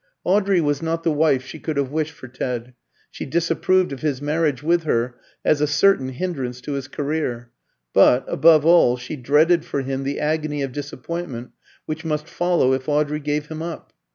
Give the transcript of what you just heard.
Audrey was not the wife she could have wished for Ted: she disapproved of his marriage with her as a certain hindrance to his career; but, above all, she dreaded for him the agony of disappointment which must follow if Audrey gave him up.